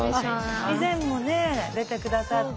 以前もね出て下さった。